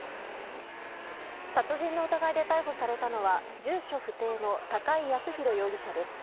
殺人の疑いで逮捕されたのは住所不定の高井靖弘容疑者です。